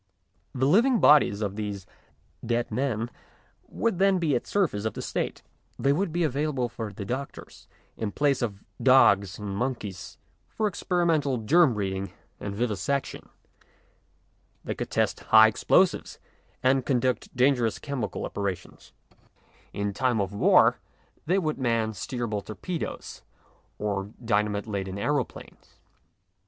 The living bodies of these dead men would then 96 MONOLOGUES be at the service of the State. They would be available for the doctors in place of dogs and monkeys for experimental germ breed ing and vivisection ; they could test high explosives and conduct dangerous chemical operations ; in time of war they could man steerable torpedoes or dynamite laden aero planes.